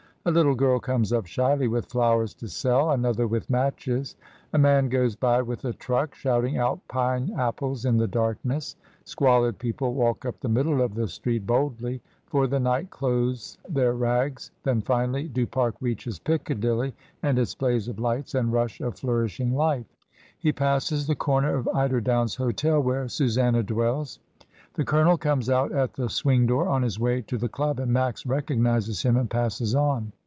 A little girl comes up shyly with flowers to sell, another with matches; a man goes by with a truck, shouting out pine apples in the darkness; squalid people walk up the middle of the street boldly, for the night clothes their rags; then, finally, Du Pare reaches Piccadilly and its blaze of lights and rush of flourishing life. He passes the comer of Eiderdown's Hotel, where Susanna dwells. The Colonel comes out at the swing door, on his way to the club, and Max recognises him and passes on.